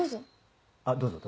あっどうぞ。